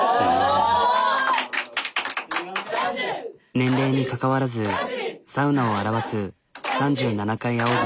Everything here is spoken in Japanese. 年齢に関わらずサウナを表わす３７回あおぐ。